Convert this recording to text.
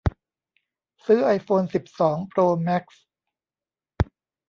ซื้อไอโฟนสิบสองโปรแม็กซ์